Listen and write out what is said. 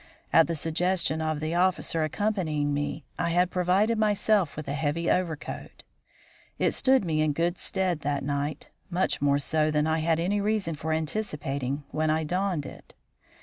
At the suggestion of the officer accompanying me, I had provided myself with a heavy overcoat. It stood me in good stead that night, much more so than I had any reason for anticipating when I donned it.